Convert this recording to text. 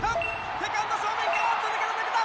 セカンド正面からあっと抜けた抜けた！